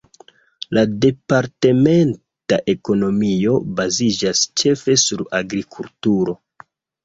La departementa ekonomio baziĝas ĉefe sur agrikulturo.